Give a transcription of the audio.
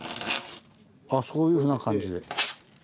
あそういうふうな感じで。